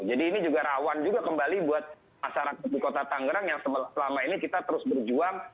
jadi ini juga rawan juga kembali buat masyarakat di kota tangerang yang selama ini kita terus berjuang